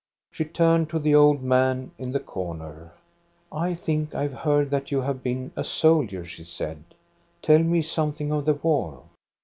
She turned to the old man in the corner, " I think I have heard that you have been a soldier," she said. " Tell me something of the war